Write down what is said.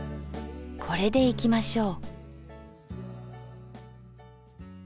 これでいきましょ。